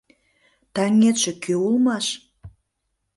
— Таҥетше кӧ улмаш?